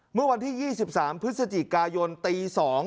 เมื่อวันที่๒๓พฤศจิกายนตี๒